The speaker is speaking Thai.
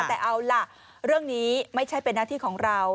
แต่เอาล่ะเรื่องนี้ไม่ใช่เป็นหน้าที่ของเรา